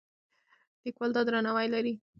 لیکوال دا درناوی لري.